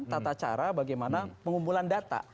tata cara bagaimana pengumpulan data